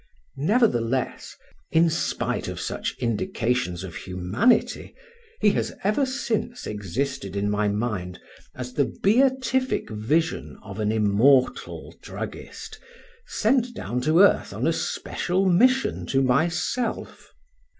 Nevertheless, in spite of such indications of humanity, he has ever since existed in my mind as the beatific vision of an immortal druggist, sent down to earth on a special mission to myself.